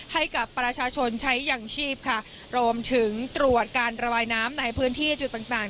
ให้กับประชาชนใช้อย่างชีพค่ะรวมถึงตรวจการระบายน้ำในพื้นที่จุดต่างต่าง